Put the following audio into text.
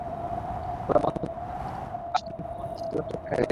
তবে মন্ত্রণালয়ের নির্দেশের পরও গতকাল শীতলক্ষ্যায় বাল্কহেড চলাচল করতে দেখা গেছে।